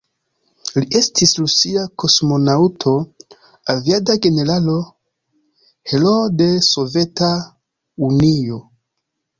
Li estis rusia kosmonaŭto, aviada generalo, heroo de Soveta Unio.